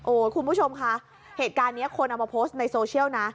คุณผู้ชมคะเหตุการณ์นี้คนเอามาโพสต์ในโซเชียลนะ